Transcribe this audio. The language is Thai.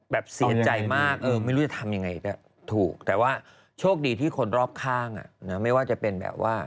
เสียใจมากไม่รู้จะทำยังไงถูกแต่ว่าโชคดีที่คนรอบข้างไม่ว่าจะเป็นแบบว่า